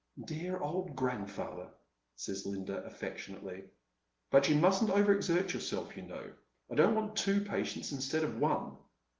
" Dear old grandfather !" says Lirida, afEectionately. " But you mustn't over exert yourself , you know. I don't want two patients instead of one."